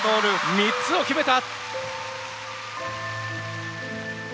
３つを決めた！